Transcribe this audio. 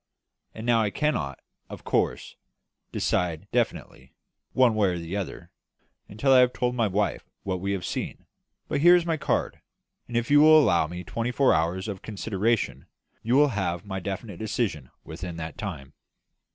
And now I cannot, of course, decide definitely, one way or the other, until I have told my wife what we have seen; but here is my card; and if you will allow me twenty four hours for consideration, you shall have my definite decision within that time."